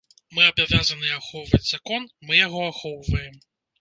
Мы абавязаныя ахоўваць закон, мы яго ахоўваем.